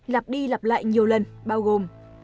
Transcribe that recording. lặp đi lặp lại nhiều lần bao gồm